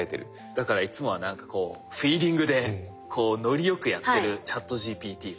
だからいつもは何かこうフィーリングでこうノリ良くやってるＣｈａｔＧＰＴ君。